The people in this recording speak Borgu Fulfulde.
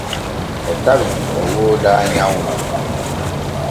E tawi o wooda nyawne.